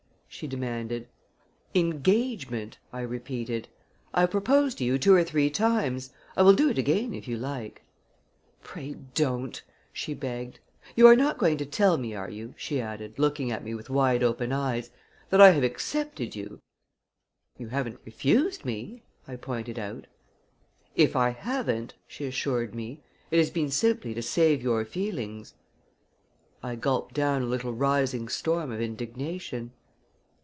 she demanded. "Engagement," I repeated. "I have proposed to you two or three times. I will do it again if you like." "Pray don't!" she begged. "You are not going to tell me, are you," she added, looking at me with wide open eyes, "that I have accepted you?" "You haven't refused me," I pointed out. "If I haven't," she assured me, "it has been simply to save your feelings." I gulped down a little rising storm of indignation.